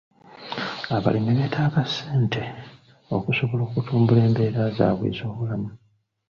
Abalimi beetaaga ssente okusobola okutumbula embeera zaabwe ez'obulamu.